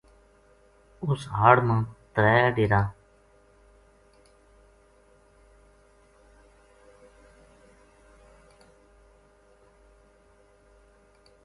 اُس ہاڑ ما ترے ڈیرا